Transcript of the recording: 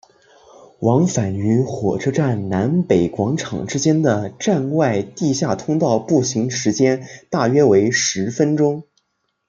往返于火车站南北广场之间的站外地下通道步行时间大约为十分钟。